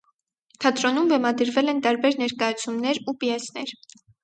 Թատրոնում բեմադրվել են տարբեր ներկայացումներ ու պիեսներ։